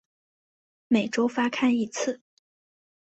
每周发刊一次。